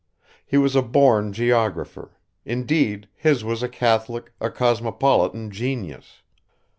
He was a born geographer; indeed, his was a catholic, a cosmopolitan genius.